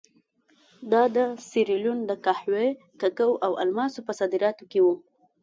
دا د سیریلیون د قهوې، کوکو او الماسو په صادراتو کې وو.